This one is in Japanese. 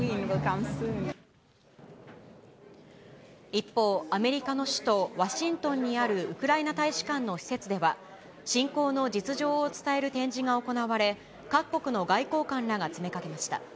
一方、アメリカの首都ワシントンにあるウクライナ大使館の施設では、侵攻の実情を伝える展示が行われ、各国の外交官らが詰めかけました。